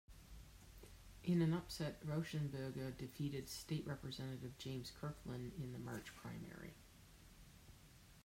In an upset, Rauschenberger defeated State Representative James Kirkland in the March primary.